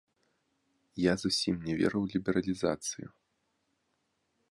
Я зусім не веру ў лібералізацыю.